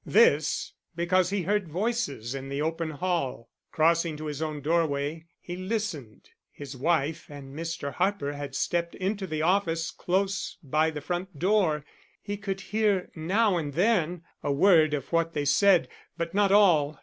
This because he heard voices in the open hall. Crossing to his own doorway, he listened. His wife and Mr. Harper had stepped into the office close by the front door. He could hear now and then a word of what they said, but not all.